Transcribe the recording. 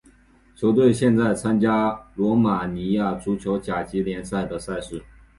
球队现在参加罗马尼亚足球甲级联赛的赛事。